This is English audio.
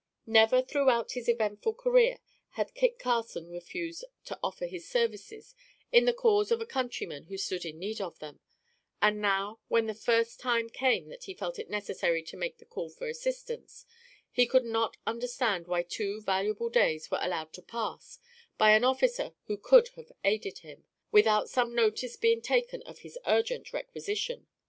Never, throughout his eventful career, had Kit Carson refused to offer his services in the cause of a countryman who stood in need of them; and now, when the first time came that he felt it necessary to make the call for assistance, he could not understand why two valuable days were allowed to pass, by an officer who could have aided him, without some notice being taken of his urgent requisition.